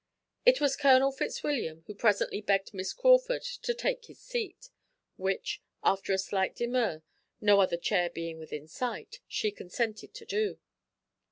It was Colonel Fitzwilliam who presently begged Miss Crawford to take his seat, which, after a slight demur, no other chair being within sight, she consented to do.